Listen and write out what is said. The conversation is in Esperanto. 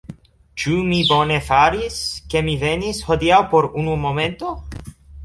Ĉu mi bone faris, ke mi venis, hodiaŭ por unu momento?